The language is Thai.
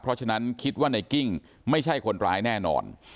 เพราะฉะนั้นคิดว่าในกิ้งไม่ใช่คนร้ายแน่นอน